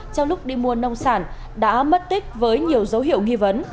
trong lúc đi mua nông sản đã mất tích với nhiều dấu hiệu nghi vấn